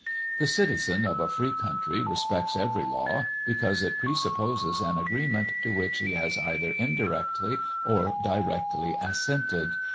The citizen of a free country respects every law, because it presupposes an agreement to which he has either indirectly or directly assented.